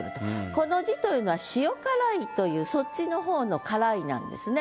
この字というのはというそっちの方の「鹹い」なんですね。